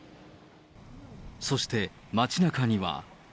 そして、街なかには。